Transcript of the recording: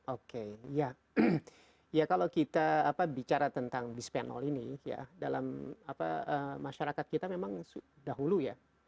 oke ya kalau kita bicara tentang bisphenol ini ya dalam masyarakat kita memang dahulu ya